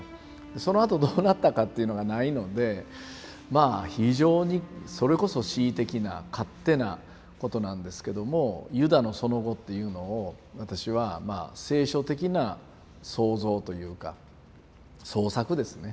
そのあとどうなったかっていうのがないのでまあ非常にそれこそ恣意的な勝手なことなんですけどもユダのその後っていうのを私はまあ聖書的な創造というか創作ですね